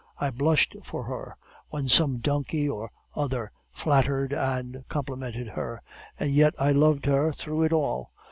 I blushed for her when some donkey or other flattered and complimented her. And yet I loved her through it all!